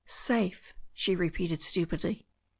'Safe," she repeated stupidly.